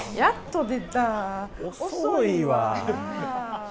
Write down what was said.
遅いわ。